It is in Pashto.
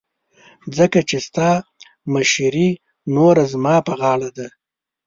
ځکه چې ستاسو مشرې نوره زما په غاړه ده.